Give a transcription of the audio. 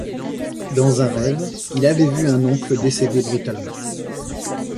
Dans un rêve il avait vu un oncle décédé brutalement.